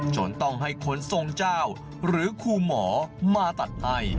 จนต้องให้คนทรงเจ้าหรือครูหมอมาตัดให้